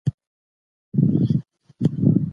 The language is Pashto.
د جګړو له امله کابل ته کډه شول.